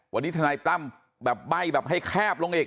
วันนี้ธนัยตั้มแบบใบ้แคบลงอีก